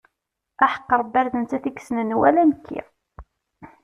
Aḥeqq Rebbi ar d nettat i yessnen wala nekki.